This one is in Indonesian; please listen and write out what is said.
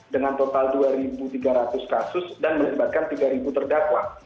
dengan total dua tiga ratus kasus dan melibatkan tiga terdakwa